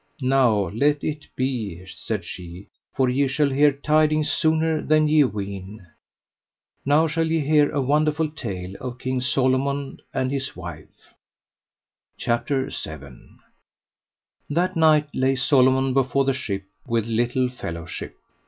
Now let it be, said she, for ye shall hear tidings sooner than ye ween. Now shall ye hear a wonderful tale of King Solomon and his wife. CHAPTER VII. A wonderful tale of King Solomon and his wife. That night lay Solomon before the ship with little fellowship.